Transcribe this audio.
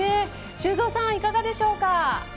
修造さん、いかがでしょうか。